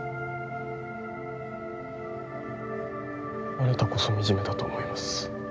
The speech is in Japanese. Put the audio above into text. あなたこそ惨めだと思います。